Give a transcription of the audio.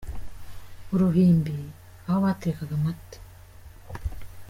Uruhimbi, aho baterekaga Amata.